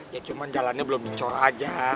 ya cuma jalannya belum dicor aja